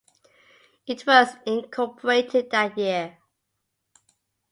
It was incorporated that year.